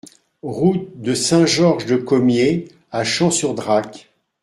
Route de Saint-Georges-de-Commiers à Champ-sur-Drac